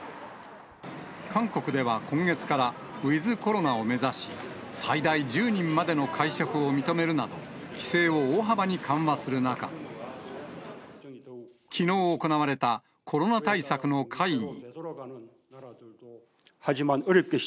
韓国では今月から、ウィズコロナを目指し、最大１０人までの会食を認めるなど、規制を大幅に緩和する中、きのう行われたコロナ対策の会議。